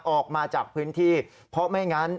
ออกมาจากพื้นที่เพราะไม่งั้น